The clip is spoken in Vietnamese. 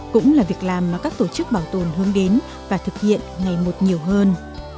cũng là việc làm mà các tổ chức bảo tồn hướng đến và thực hiện ngày một nhiều hơn